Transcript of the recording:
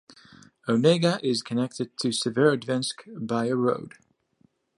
Onega is connected to Severodvinsk by a road.